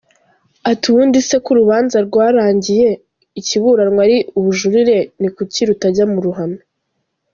Ati ubundi se ko urubanza rwarangiye ikiburanwa ari ubujurire ni kuki rutajya mu ruhame.?